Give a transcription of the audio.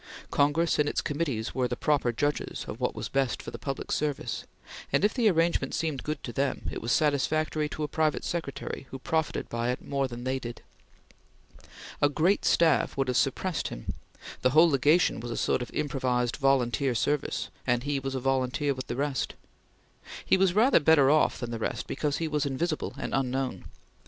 Congress and its committees were the proper judges of what was best for the public service, and if the arrangement seemed good to them, it was satisfactory to a private secretary who profited by it more than they did. A great staff would have suppressed him. The whole Legation was a sort of improvised, volunteer service, and he was a volunteer with the rest. He was rather better off than the rest, because he was invisible and unknown.